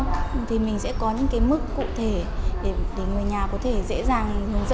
mức cụ thể để người nhà có thể dễ dàng hướng dẫn cho bệnh nhân